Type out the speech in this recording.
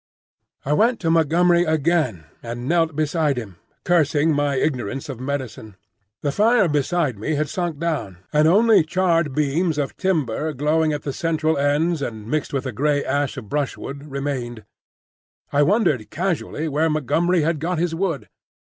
I went to Montgomery again and knelt beside him, cursing my ignorance of medicine. The fire beside me had sunk down, and only charred beams of timber glowing at the central ends and mixed with a grey ash of brushwood remained. I wondered casually where Montgomery had got his wood.